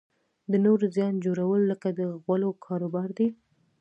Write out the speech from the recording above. د نورو زیان جوړول لکه د غولو کاروبار دی.